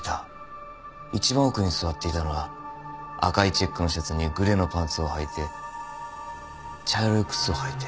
一番奥に座っていたのは赤いチェックのシャツにグレーのパンツをはいて茶色い靴を履いて。